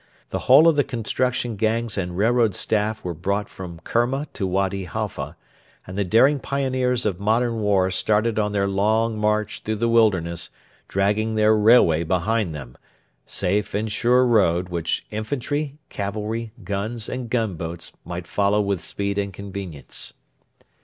The whole of the construction gangs and railroad staff were brought from Kerma to Wady Halfa, and the daring pioneers of modern war started on their long march through the wilderness, dragging their railway behind them safe and sure road which infantry, cavalry, guns, and gunboats might follow with speed and convenience.